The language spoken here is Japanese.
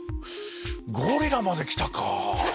ゴリラまで来たか。